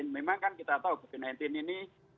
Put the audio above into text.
memang kan kita tahu covid sembilan belas ini